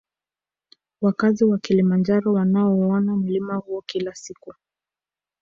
Wakazi wa kilimanjaro wanauona mlima huo kila siku